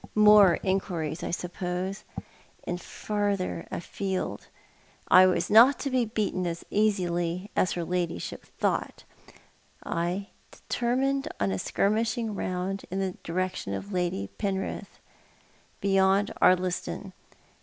More inquiries, I suppose, and further afield. I was not to be beaten as easily as her ladyship thought. I determined on a skirmishing round in the direction Lady Penrith had talked of — beyond Ardliston.